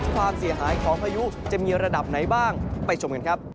ความเสียหายของพายุจะมีระดับไหนบ้างไปชมกันครับ